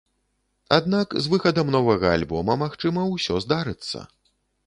Аднак, з выхадам новага альбома, магчыма, усё здарыцца.